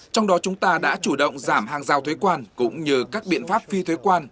trong đó chúng ta đã chủ động giảm hàng giao thuế quan cũng như các biện pháp phi thuế quan